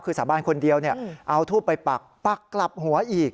คือสาบานคนเดียวเอาทูบไปปักปักกลับหัวอีก